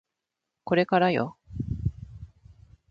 これからよ